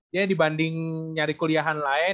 ya dibanding nyari kuliahan lain